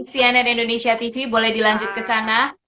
cnn indonesia tv boleh dilanjut kesana